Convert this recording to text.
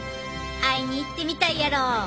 会いに行ってみたいやろ？